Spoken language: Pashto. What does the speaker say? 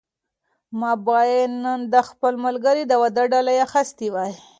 ما باید نن د خپل ملګري د واده ډالۍ اخیستې وای.